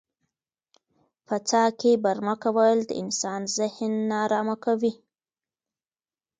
په څاه کې برمه کول د انسان ذهن نا ارامه کوي.